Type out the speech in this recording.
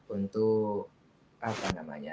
untuk apa namanya